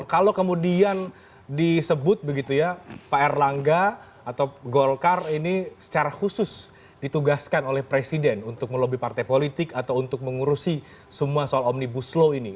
kalau kemudian disebut begitu ya pak erlangga atau golkar ini secara khusus ditugaskan oleh presiden untuk melobi partai politik atau untuk mengurusi semua soal omnibus law ini